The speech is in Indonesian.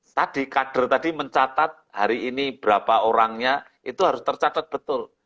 tadi kader tadi mencatat hari ini berapa orangnya itu harus tercatat betul